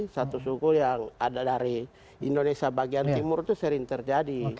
satu suku yang ada dari indonesia bagian timur itu sering terjadi